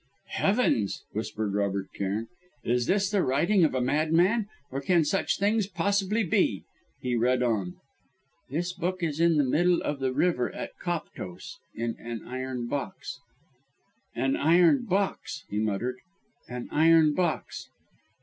"Heavens!" whispered Robert Cairn, "is this the writing of a madman? or can such things possibly be!" He read on: "This book is in the middle of the river at Koptos, in an iron box " "An iron box," he muttered "an iron box."